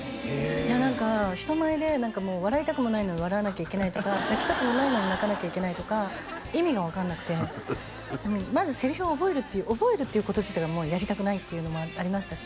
いや何か人前で笑いたくもないのに笑わなきゃいけないとか泣きたくもないのに泣かなきゃいけないとか意味が分からなくてまずセリフを覚える覚えるっていうこと自体がやりたくないっていうのもありましたし